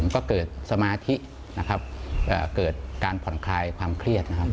ก็เกิดสมาธิเกิดการผ่อนคลายความเครียด